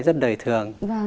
rất đầy thường